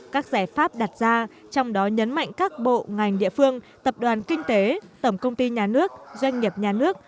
các giải pháp đặt ra trong đó nhấn mạnh các bộ ngành địa phương tập đoàn kinh tế tổng công ty nhà nước doanh nghiệp nhà nước